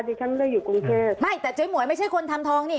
ฉันได้อยู่กรุงเทพไม่แต่เจ๊หมวยไม่ใช่คนทำทองนี่